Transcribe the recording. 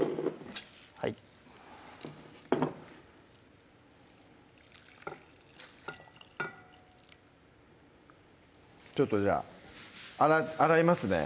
はいちょっとじゃあ洗いますね